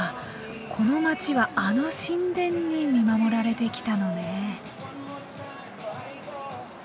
この街はあの神殿に見守られてきたのね。